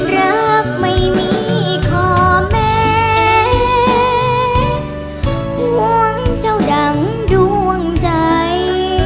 รักไม่มีขอแม้ห่วงเจ้าดังดวงใจ